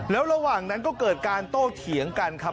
แล้วระหว่างนั้นก็เกิดการโต้เถียงกันครับ